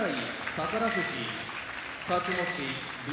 宝富士太刀持ち翠